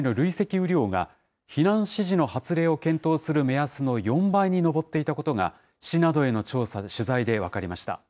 雨量が避難指示の発令を検討する目安の４倍に上っていたことが、市などへの取材で分かりました。